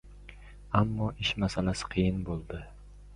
Ammo ish masalasi qiyin bo‘ldi.